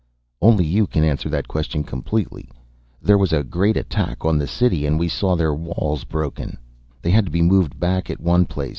"Only you can answer that question completely. There was a great attack on the city and we saw their walls broken, they had to be moved back at one place.